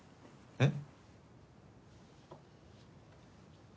えっ！